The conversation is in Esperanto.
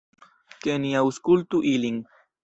Ke ni aŭskultu ilin.